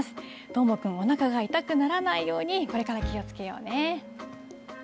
どーもくん、おなかが痛くならないように、これから気をつけようね。